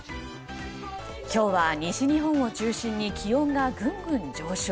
今日は、西日本を中心に気温がぐんぐん上昇。